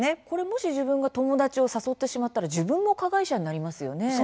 これ、もし自分が友達を誘ってしまったら自分が加害者になりますよね。